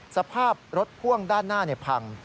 สภาพรถพ่วงด้านหน้าพัง